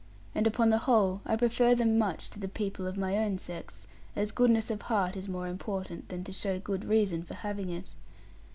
And upon the whole, I prefer them much to the people of my own sex, as goodness of heart is more important than to show good reason for having it.